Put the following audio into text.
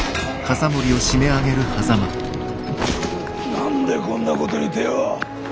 何でこんなことに手を。